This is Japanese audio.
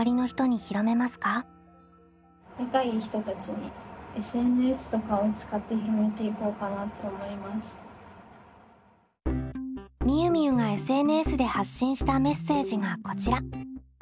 ではみゆみゆがＳＮＳで発信したメッセージがこちら。